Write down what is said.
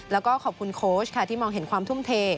แล้วก็ขอบคุณโค้ชค่ะที่มองเห็นความทุ่มเท